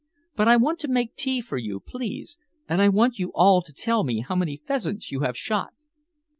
But I want to make tea for you, please, and I want you all to tell me how many pheasants you have shot."